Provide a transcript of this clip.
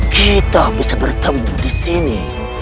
kita bisa bertemu di sini